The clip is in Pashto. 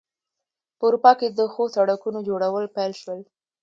په اروپا کې د ښو سړکونو جوړول پیل شول.